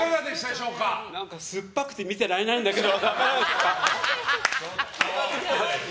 酸っぱくて見てられないんだけど。